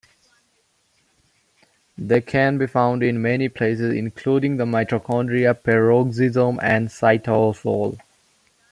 They can be found in many places including the mitochondria, peroxisome and cytosol.